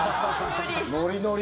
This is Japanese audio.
ノリノリ。